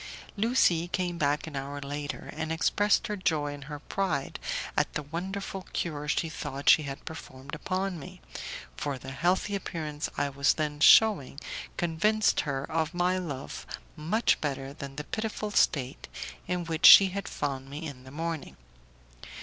Lucie came back an hour later, and expressed her joy and her pride at the wonderful cure she thought she had performed upon me, for the healthy appearance I was then shewing convinced her of my love much better than the pitiful state in which she had found me in the morning.